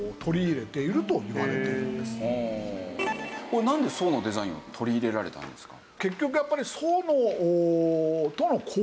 これなんで宋のデザインを取り入れられたんですか？